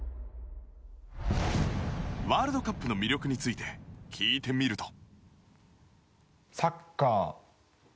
ワールドカップの魅力について聞いてみると。